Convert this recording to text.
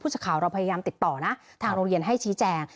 สักข่าวเราพยายามติดต่อนะทางโรงเรียนให้ชี้แจง